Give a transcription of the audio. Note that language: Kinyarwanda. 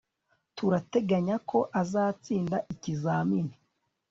Turateganya ko azatsinda ikizamini